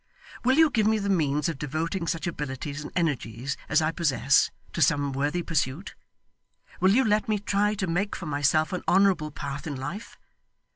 Will you give me the means of devoting such abilities and energies as I possess, to some worthy pursuit? Will you let me try to make for myself an honourable path in life?